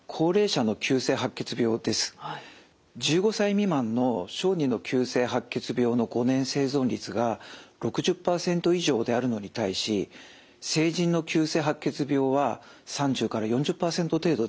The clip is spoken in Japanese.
１５歳未満の小児の急性白血病の５年生存率が６０％以上であるのに対し成人の急性白血病は３０４０％程度です。